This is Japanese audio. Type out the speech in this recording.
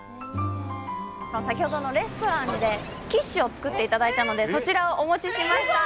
先ほどのレストランでキッシュを作っていただいたのでそちらをお持ちしました。